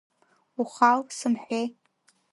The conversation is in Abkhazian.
Ухал, сымҳәеи!